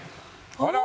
あら！